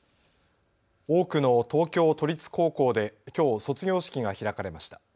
多くの東京都立高校できょう卒業式が開かれました。